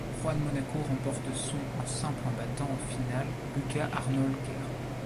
Juan Mónaco remporte son en simple en battant en finale Lucas Arnold Ker.